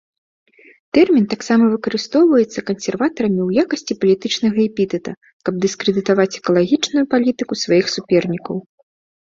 Тэрмін таксама выкарыстоўваецца кансерватарамі ў якасці палітычнага эпітэта, каб дыскрэдытаваць экалагічную палітыку сваіх супернікаў.